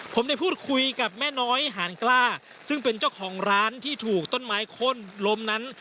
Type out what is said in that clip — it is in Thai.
ผมได้พูดคุยกับแม่น้อยหานกล้าซึ่งเป็นเจ้าของร้านที่ถูกต้นไม้ข้นล้มนั้น